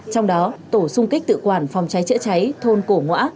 trong đó tổ xung kích tự quản phòng cháy chữa cháy thôn cổ ngoã